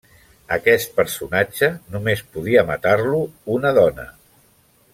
Aquest personatge només podia matar-lo una dona.